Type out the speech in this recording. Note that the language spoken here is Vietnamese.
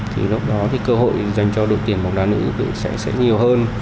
thì lúc đó thì cơ hội dành cho đội tuyển bóng đá nữ sẽ nhiều hơn